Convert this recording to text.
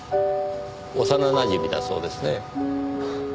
幼なじみだそうですね。